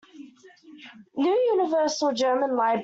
New Universal German Library.